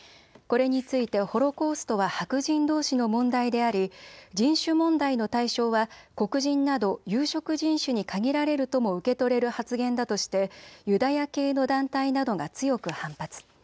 これについてホロコーストは白人どうしの問題であり人種問題の対象は黒人など有色人種に限られるとも受け取れる発言だとしてユダヤ系の団体などが強く反発。